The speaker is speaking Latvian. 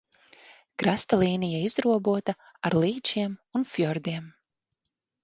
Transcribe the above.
Krasta līnija izrobota ar līčiem un fjordiem.